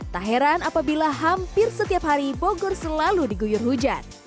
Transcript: tak heran apabila hampir setiap hari bogor selalu diguyur hujan